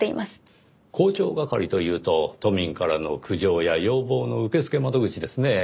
広聴係というと都民からの苦情や要望の受付窓口ですねぇ。